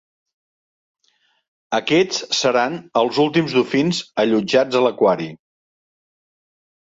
Aquests seran els últims dofins allotjats a l'aquari.